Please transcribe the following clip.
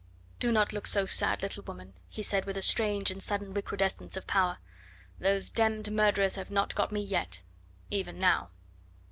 "Do not look so sad, little woman," he said with a strange and sudden recrudescence of power; "those d d murderers have not got me yet even now."